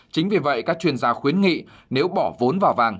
chính vì vậy các chuyên gia khuyến nghị nếu bỏ vốn vào vàng